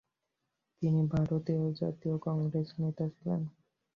তিনি ভারতীয় জাতীয় কংগ্রেসের নেতা ছিলেন।